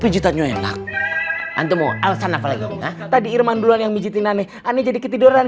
pijitannya enak antumu alasan apalagi tadi irman duluan yang mencintai aneh aneh jadi ketiduran